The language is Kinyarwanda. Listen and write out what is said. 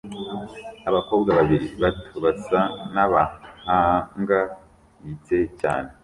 Abakobwa babiri bato basa nabahangayitse cyane